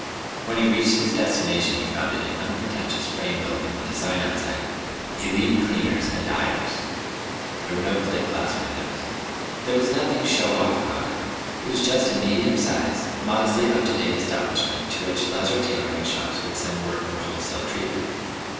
When he reached his destination he found it an unpretentious frame building with a sign outside: "Elite Cleaners and Dyers." There were no plate glass windows. There was nothing show off about it. It was just a medium sized, modestly up to date establishment to which lesser tailoring shops would send work for wholesale treatment.